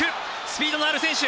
スピードのある選手。